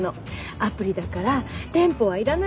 アプリだから店舗はいらないし。